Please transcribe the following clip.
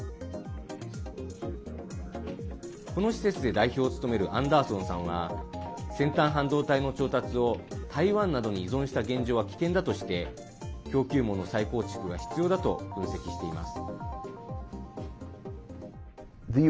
この施設で代表を務めるアンダーソンさんは先端半導体の調達を台湾などに依存した現状は危険だとして供給網の再構築が必要だと分析しています。